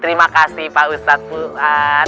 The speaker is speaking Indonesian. terima kasih pak ustadz buas